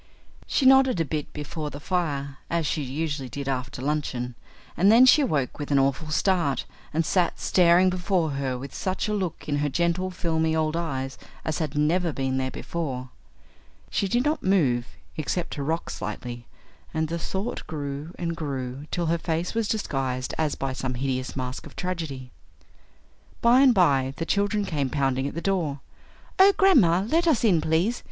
She nodded a bit before the fire, as she usually did after luncheon, and then she awoke with an awful start and sat staring before her with such a look in her gentle, filmy old eyes as had never been there before. She did not move, except to rock slightly, and the Thought grew and grew till her face was disguised as by some hideous mask of tragedy. By and by the children came pounding at the door. "Oh, grandma, let us in, please.